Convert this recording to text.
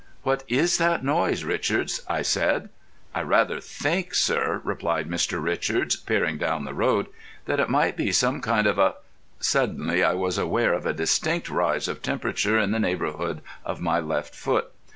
"What is that noise, Richards?" I said. "I rather think, sir," replied Mr. Richards, peering down the road, "that it might be some kind of a——" Suddenly I was aware of a distinct rise of temperature in the neighbourhood of my left foot.